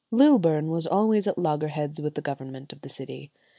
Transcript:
Lilburne was always at loggerheads with the government of the city.